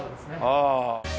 ああ。